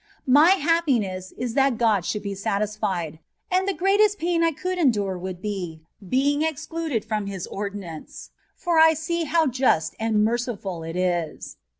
My happiness is that God should be satisfied; and the greatest pain I could endure would be being excluded from His ordi nance, for I see how just and merciful it is.